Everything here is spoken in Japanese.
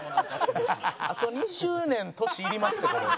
あと２０年年いりますってこれ。